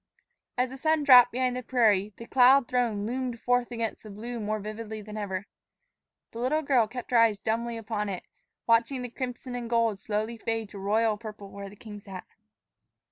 As the sun dropped behind the prairie, the cloud throne loomed forth against the blue more vividly than ever. The little girl kept her eyes dumbly upon it, watching the crimson and gold slowly fade to royal purple where the King sat.